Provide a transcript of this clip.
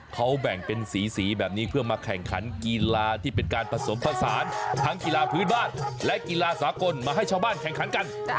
เขาแบ่งเป็นสีแบบนี้เพื่อมาแข่งขันกีฬาที่เป็นการผสมผสานทั้งกีฬาพื้นบ้านและกีฬาสากลมาให้ชาวบ้านแข่งขันกัน